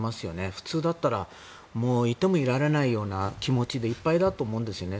普通だったらいてもいられないような気持ちでいっぱいだと思うんですよね。